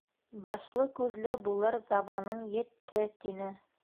Башлы-күҙле булыр заманың етте, — тине.